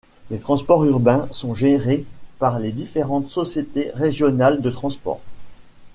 Les transports urbains sont gérés par les différentes sociétés régionales de transports.